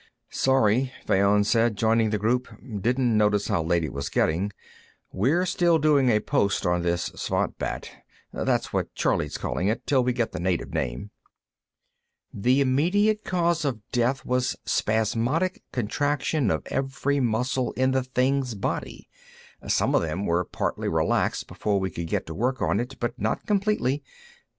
"Sorry," Fayon said, joining the group. "Didn't notice how late it was getting. We're still doing a post on this svant bat; that's what Charley's calling it, till we get the native name. "The immediate cause of death was spasmodic contraction of every muscle in the thing's body; some of them were partly relaxed before we could get to work on it, but not completely.